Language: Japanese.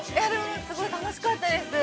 ◆すごい楽しかったです。